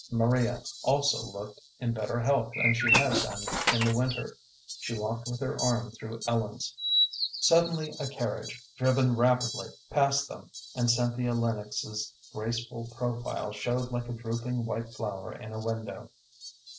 Maria also looked in better health than she had done in the winter. She walked with her arm through Ellen's. Suddenly a carriage, driven rapidly, passed them, and Cynthia Lennox's graceful profile showed like a drooping white flower in a window.